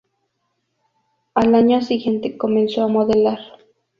Al año siguiente comenzó a modelar.